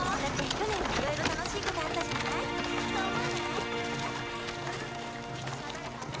去年は色々楽しいことあったじゃないそう思わない？